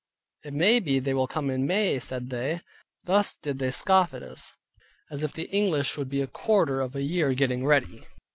"It may be they will come in May," said they. Thus did they scoff at us, as if the English would be a quarter of a year getting ready.